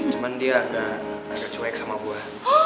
cuman dia agak cuek sama buah